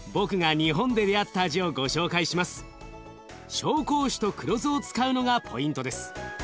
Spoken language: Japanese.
紹興酒と黒酢を使うのがポイントです。